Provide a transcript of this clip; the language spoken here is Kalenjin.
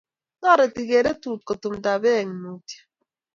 Toreti kererut kutumta beek mutyo